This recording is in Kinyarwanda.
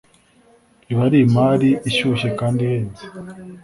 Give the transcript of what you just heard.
iba ari imali Ishyushye kandi ihenze